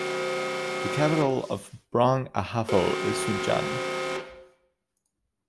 The capital of Brong-Ahafo is Sunyani.